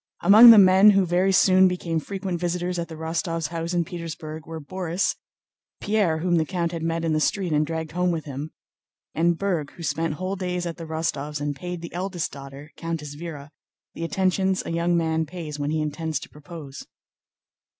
Among the men who very soon became frequent visitors at the Rostóvs' house in Petersburg were Borís, Pierre whom the count had met in the street and dragged home with him, and Berg who spent whole days at the Rostóvs' and paid the eldest daughter, Countess Véra, the attentions a young man pays when he intends to propose.